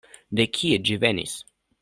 De kie ĝi venis?